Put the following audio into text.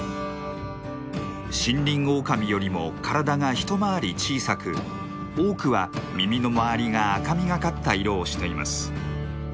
シンリンオオカミよりも体が一回り小さく多くは耳の周りが赤みがかった色をしています。